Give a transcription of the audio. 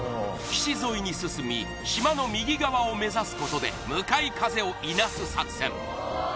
岸沿いに進み島の右側を目指すことで向かい風をいなす作戦